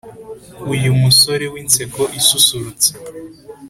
Uyu musore w'inseko isusurutsa